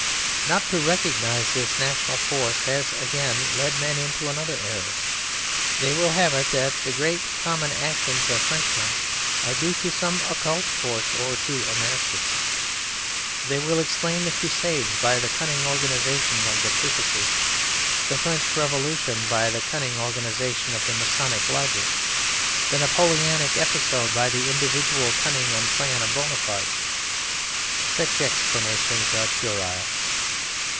Not to recognize this National force has, again, led men into another error: they will have it that the great common actions of Frenchmen are due to some occult force or to a master. They will explain the Crusades by the cunning organization of the Papacy; the French Revolution by the cunning organization of the Masonic lodges; the Napoleonic episode by the individual cunning and plan of Bonaparte. Such explanations are puerile.